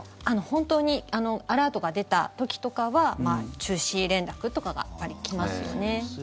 本当にアラートが出た時とかは中止連絡とかが来ますよね。